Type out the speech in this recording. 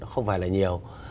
không phải là nhiều